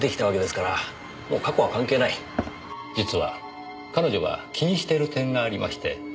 実は彼女が気にしてる点がありまして。